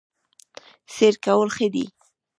سیر کول ښه دي